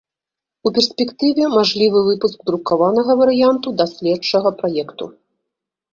У перспектыве мажлівы выпуск друкаванага варыянту даследчага праекту.